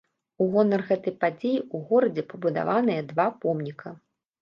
У гонар гэтай падзеі ў горадзе пабудаваныя два помніка.